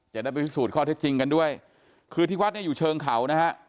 จะได้ไปพิสูจน์ข้อเท็จจริงกันด้วยคือที่วัดเนี่ยอยู่เชิงเขานะฮะ